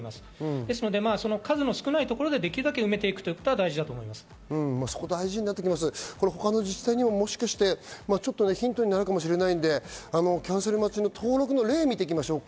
ですので数が少ないところでできるだけ埋めていくことが大事にな他の自治体にももしかしてヒントになるかもしれないので、キャンセル待ちの登録の例を見ていきましょう。